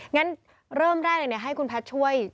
งั้นเริ่มแรกเลยให้คุณแพทย์ช่วย